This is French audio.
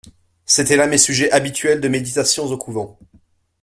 C'étaient là mes sujets habituels de méditations au couvent.